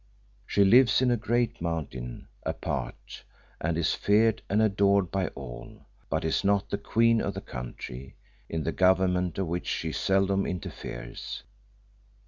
She lives in a great mountain, apart, and is feared and adored by all, but is not the queen of the country, in the government of which she seldom interferes.